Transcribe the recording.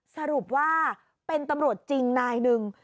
สรุปว่าเป็นตำรวจจริงนายหนึ่ง